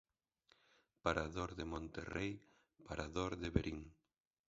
Parador de Monterrei, Parador de Verín.